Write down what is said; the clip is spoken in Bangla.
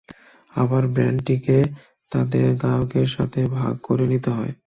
আবার ব্যান্ডটিকে তাদের গায়কের সাথে ভাগ করে নিতে হয়।